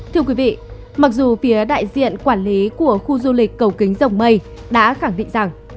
thưa quý vị mặc dù phía đại diện quản lý của khu du lịch cầu kính rồng mây đã khẳng định rằng